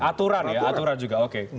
aturan ya aturan juga